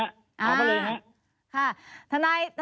ถามมาเลยฮะ